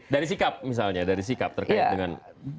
dari sikap misalnya dari sikap terkait dengan